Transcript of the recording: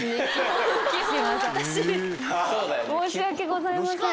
申し訳ございません。